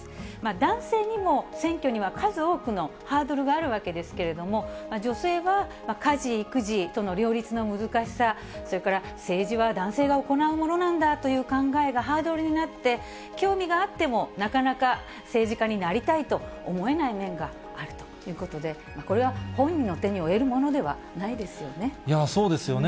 男性にも選挙には数多くのハードルがあるわけですけれども、女性は家事、育児との両立の難しさ、それから政治は男性が行うものなんだという考えがハードルになって、興味があっても、なかなか政治家になりたいと思えない面があるということで、これは本人の手に負えるものではないですよね。